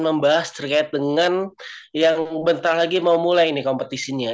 membahas terkait dengan yang bentar lagi mau mulai nih kompetisinya